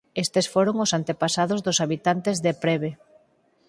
Estes foron os antepasados dos habitantes de Prebe.